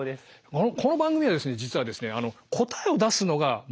この番組はですね実はですねそうですね。